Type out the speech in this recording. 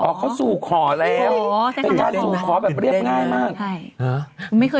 มันจะแค่สูงขอแบบแบบตะได้งานมาก